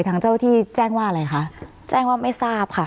ทางเจ้าที่แจ้งว่าอะไรคะแจ้งว่าไม่ทราบค่ะ